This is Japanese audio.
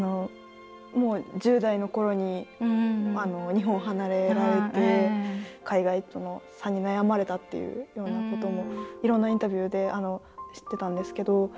もう１０代のころに日本を離れられて海外との差に悩まれたっていうようなこともいろんなインタビューで知ってたんですけど。